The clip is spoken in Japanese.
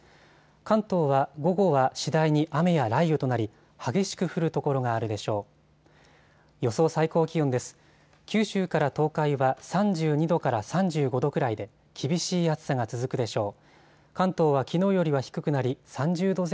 関東は午後は次第に雨や雷雨となり激しく降る所があるでしょう。